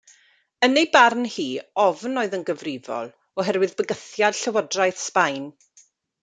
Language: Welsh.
Yn ei barn hi, ofn oedd yn gyfrifol, oherwydd bygythiad Llywodraeth Sbaen.